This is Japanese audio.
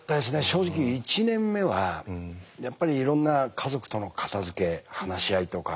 正直１年目はやっぱりいろんな家族との片づけ話し合いとか。